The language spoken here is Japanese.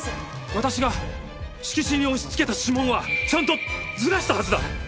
私が色紙に押し付けた指紋はちゃんとずらしたはずだ！